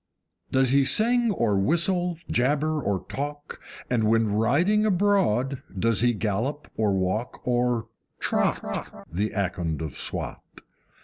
Does he sing or whistle, jabber or talk, And when riding abroad does he gallop or walk, or TROT, The Akond of Swat?